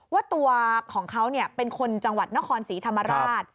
ว่าตัวของเขาเป็นคนจังหวัดนครศรีธรรมราช